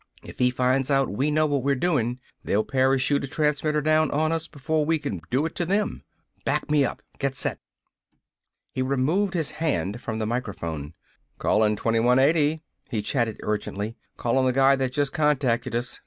If he finds out we know what we're doin', they'll parachute a transmitter down on us before we can do it to them! Back me up! Get set!" He removed his hand from the microphone. "Callin' 2180!" he chattered urgently. "Calling the guy that just contacted us!